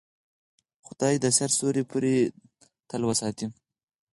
خدای دې د سر سیوری پرې تل وساتي.